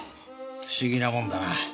不思議なもんだな。